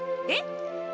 えっ！？